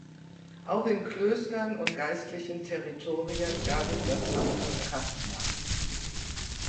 Auch in Klöstern und geistlichen Territorien gab es das Amt des Kastners.